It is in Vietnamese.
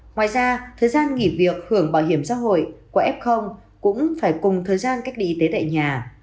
ngoài ra thời gian nghỉ việc hưởng bảo hiểm xã hội qua f cũng phải cùng thời gian cách ly y tế tại nhà